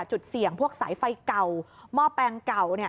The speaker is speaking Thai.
จุดเสี่ยงพวกสายไฟเก่าหม้อแปลงเก่า